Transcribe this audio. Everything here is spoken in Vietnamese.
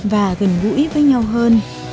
và gần gũi với nhau hơn